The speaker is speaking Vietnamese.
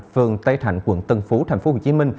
phường tây thạnh quận tân phú tp hcm